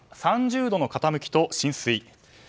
３０度の傾きと浸水。